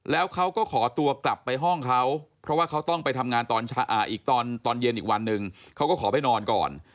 แล้วเขาก็ขอตัวกลับไปห้องเขาเพราะว่าเขาต้องไปทำงานตอนอีกตอนเย็นอีกวันหนึ่งเขาก็ขอไปนอนก่อน